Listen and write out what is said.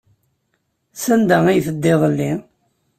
Sanda ay tedda iḍelli?